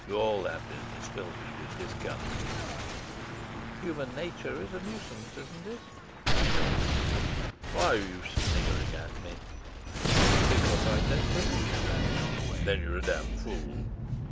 "All that business fills me with disgust." "Human nature is a nuisance, isn't it?" I said. "Why are you sniggering at me?" "Because I don't believe you." "Then you're a damned fool."